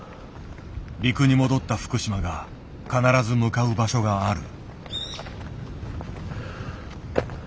陸に戻った福島が必ず向かう場所がある。